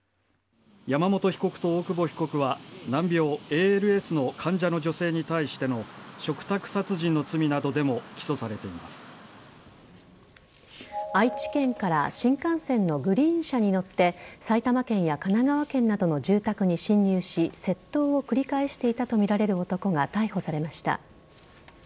山本被告と大久保被告は難病・ＡＬＳの患者の女性に対しての嘱託殺人の罪などでも愛知県から新幹線のグリーン車に乗って埼玉県や神奈川県などの住宅に侵入し窃盗を繰り返していたとみられる男が逮捕されました。